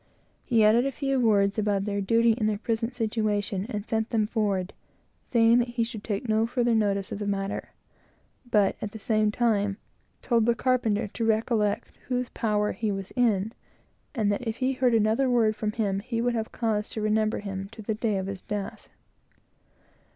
He added a few words about their duty in their present situation, and sent them forward, saying that he should take no further notice of the matter; but, at the same time, told the carpenter to recollect whose power he was in, and that if he heard another word from him he would have cause to remember him to the day of his death.